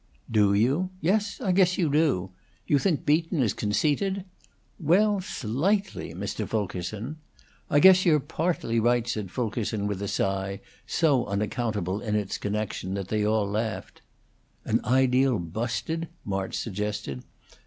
"Do you? Yes, I guess you do. You think Beaton is conceited?" "Well, slightly, Mr. Fulkerson." "I guess you're partly right," said Fulkerson, with a sigh, so unaccountable in its connection that they all laughed. "An ideal 'busted'?" March suggested.